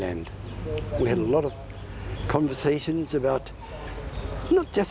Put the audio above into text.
และทำไมเราต้องอยู่ในไทย